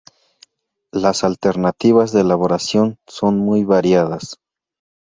Las alternativas de elaboración son muy variadas.